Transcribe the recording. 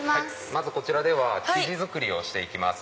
まずこちらでは生地作りをして行きます。